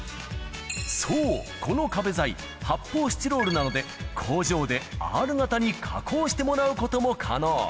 そう、この壁材、発泡スチロールなので、工場でＲ型に加工してもらうことも可能。